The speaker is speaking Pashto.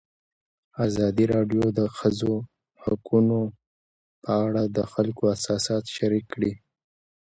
ازادي راډیو د د ښځو حقونه په اړه د خلکو احساسات شریک کړي.